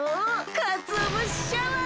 かつおぶしシャワー！